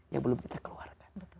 yang belum kita keluarkan